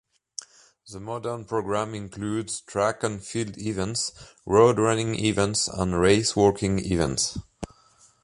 The modern program includes track and field events, road running events, and racewalking events.